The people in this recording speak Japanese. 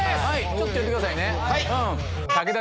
ちょっと寄ってください。